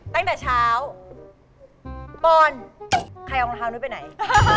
ตั้งแต่เช้าปอนใครเอารองเท้านู้นไปไหน